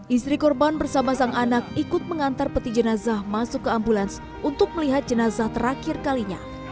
istri korban bersama sang anak ikut mengantar peti jenazah masuk ke ambulans untuk melihat jenazah terakhir kalinya